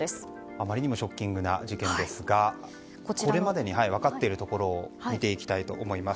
あまりにもショッキングな事件ですがこれまでに分かっているところを見ていきたいと思います。